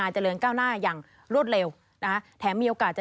อาศีกลุ่มถือว่า